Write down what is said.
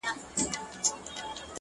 دا عجیبه شاني درد دی، له صیاده تر خیامه،